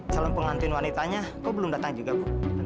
calon pengantin wanitanya kok belum datang juga bu